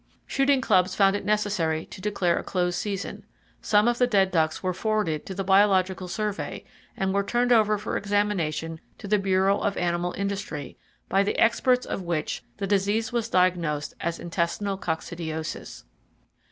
Shooting clubs found it necessary to declare a closed season. Some of the dead ducks were forwarded to the Biological Survey and were turned over for examination to the Bureau of Animal Industry, by the experts of which the disease was diagnosed as intestinal coccidiosis.